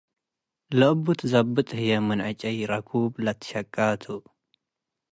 ለእቡ ትዘብጥ ህዬ ምን ዕጨይ ረኩብ ለትሸቀ ቱ ።